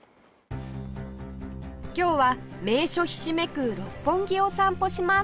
今日は名所ひしめく六本木を散歩します